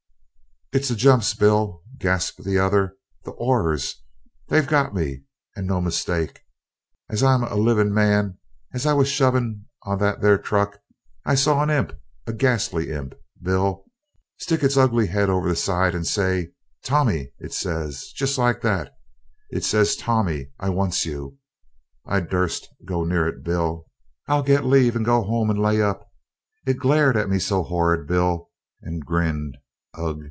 "It's the jumps, Bill," gasped the other, "the 'orrors they've got me and no mistake. As I'm a livin' man, as I was a shovin' of that there truck, I saw a imp a gashly imp, Bill, stick its hugly 'ed over the side and say, 'Tommy,' it ses, jest like that it ses, 'Tommy, I wants you!' I dursn't go near it, Bill. I'll get leave, and go 'ome and lay up it glared at me so 'orrid, Bill, and grinned ugh!